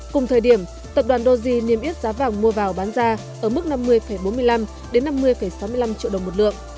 cùng thời điểm tập đoàn doge niêm yết giá vàng mua vào bán ra ở mức năm mươi bốn mươi năm năm mươi sáu mươi năm triệu đồng một lượng